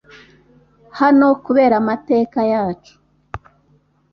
Hano kubera amateka yacu